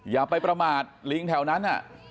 อย่าไปประมาทลิงแถวนั้น